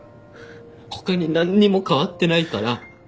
他に何にも変わってないから。